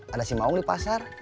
ada si maung di pasar